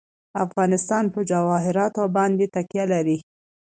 افغانستان په جواهرات باندې تکیه لري.